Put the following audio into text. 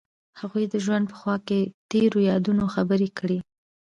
هغوی د ژوند په خوا کې تیرو یادونو خبرې کړې.